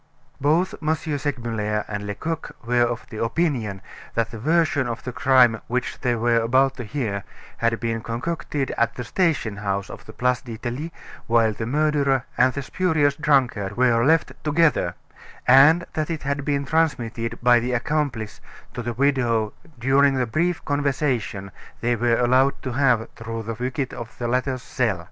Both M. Segmuller and Lecoq were of opinion that the version of the crime which they were about to hear had been concocted at the station house of the Place d'Italie while the murderer and the spurious drunkard were left together, and that it had been transmitted by the accomplice to the widow during the brief conversation they were allowed to have through the wicket of the latter's cell.